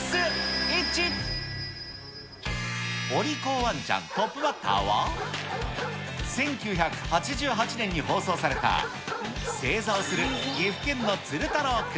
ワンちゃんトップバッターは、１９８８年に放送された、正座をする岐阜県のツルタロー君。